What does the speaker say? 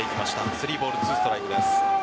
３ボール２ストライクです。